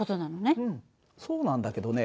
そうなんだけどね